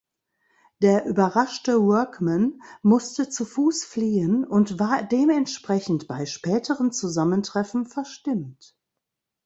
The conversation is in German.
Der überraschte Workman musste zu Fuß fliehen und war dementsprechend bei späteren Zusammentreffen verstimmt.